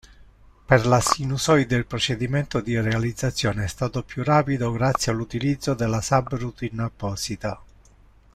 Per la sinusoide il procedimento di realizzazione è stato più rapido grazie all'utilizzo della sub-routine apposita.